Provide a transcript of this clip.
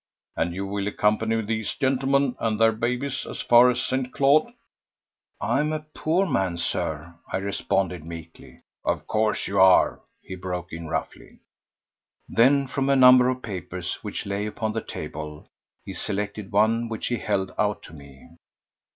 And you will accompany these gentlemen and their 'babies' as far as St. Claude?" "I am a poor man, Sir," I responded meekly. "Of course you are," he broke in roughly. Then from a number of papers which lay upon the table, he selected one which he held out to me.